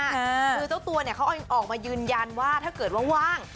คือเจ้าตัวเนี่ยเขาออกมายืนยันว่าถ้าเกิดว่าว่าง